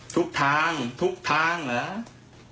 ทุกทางทุกทางเหรอ